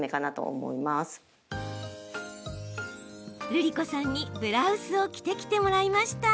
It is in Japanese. るりこさんにブラウスを着てきてもらいました。